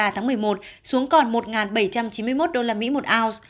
tháng một mươi một xuống còn một bảy trăm chín mươi một usd một ounce